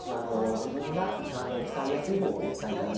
自分が使いやすい方法をお使い頂ければ十分です。